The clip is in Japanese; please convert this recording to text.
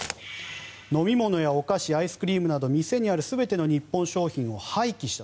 飲み物やお菓子アイスクリームなど店にある全ての日本商品を廃棄した。